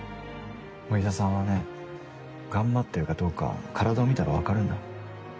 お医者さんはね頑張ってるかどうか体を見たら分かるんだ。